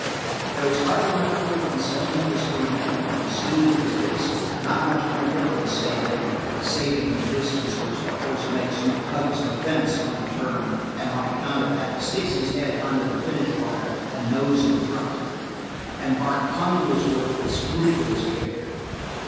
There was hardly much point in such industry in a country as smooth as this, not much more difference, say, than the saving of distance which the horse makes who hugs the fence on the turn and on account of that sticks his head under the finish wire a nose in front; and Bart clung to his work with scrupulous care.